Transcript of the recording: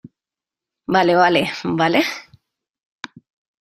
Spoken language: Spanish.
vale, vale. ¿ vale?